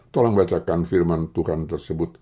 tolong bacakan firman tuhan tersebut